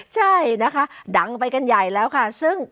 ใช่นะคะดังไปกันใหญ่แล้วค่ะซึ่ง